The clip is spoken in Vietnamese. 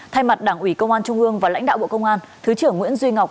thay mặt đảng ủy công an trung ương và lãnh đạo bộ công an thứ trưởng nguyễn duy ngọc